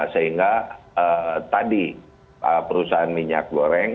sehingga tadi perusahaan minyak goreng